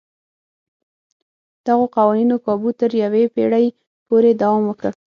دغو قوانینو کابو تر یوې پېړۍ پورې دوام وکړ.